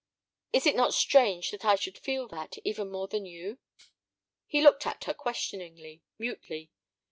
Is it not strange that I should feel that, even more than you?" He looked at her questioningly, mutely.